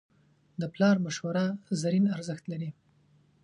د پلار مشوره زرین ارزښت لري.